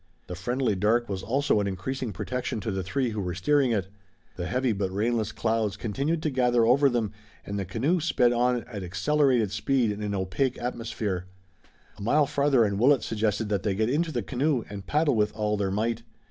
The friendly dark was also an increasing protection to the three who were steering it. The heavy but rainless clouds continued to gather over them, and the canoe sped on at accelerated speed in an opaque atmosphere. A mile farther and Willet suggested that they get into the canoe and paddle with all their might.